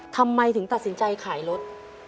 ทำไมถึงตัดสินใจขายรถ